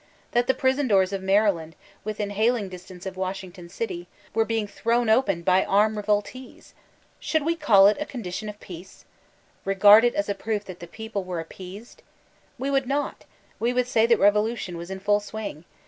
that the prison doors of Maryland, within hailing distance of Washington City, were being thrown open by armed re voltees ? Should we call it a condition of peace ? Regard it a proof that the people were appeased ? We would not : we would say that revolution was in full swing.